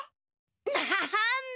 なんだ。